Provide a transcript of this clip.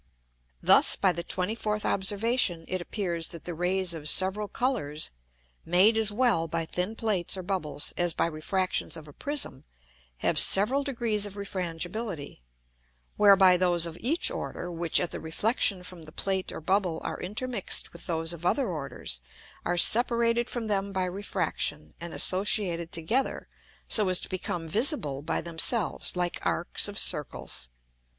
Thus, by the 24th Observation it appears, that the Rays of several Colours, made as well by thin Plates or Bubbles, as by Refractions of a Prism, have several degrees of Refrangibility; whereby those of each order, which at the reflexion from the Plate or Bubble are intermix'd with those of other orders, are separated from them by Refraction, and associated together so as to become visible by themselves like Arcs of Circles.